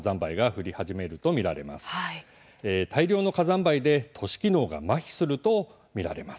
大量の火山灰で都市機能がまひすると見られます。